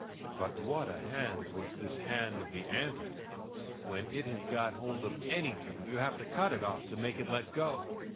But what a hand was this hand of the ant eater! When it has got hold of anything you have to cut it off to make it let go!